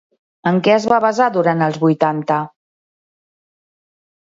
En què es va basar durant els vuitanta?